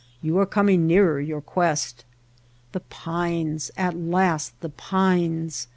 You are coming nearer your quest. The pines !— at last the pines